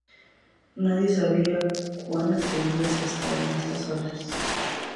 Nadie sabía cuán extendidas están estas olas.